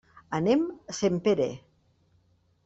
Anem a Sempere.